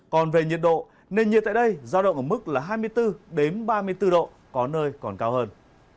còn về nhiệt độ nền nhiệt tại đây giao động ở mức là hai mươi bốn ba mươi bốn độ có nơi còn cao hơn